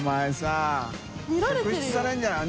阿職質されるんじゃない？